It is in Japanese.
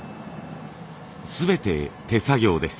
全て手作業です。